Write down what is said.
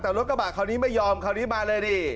แต่รถกระบะคราวนี้ไม่ยอมคราวนี้มาเลยดิ